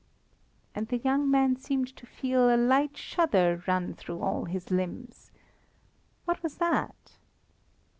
And the young man seemed to feel a light shudder run through all his limbs. What was that?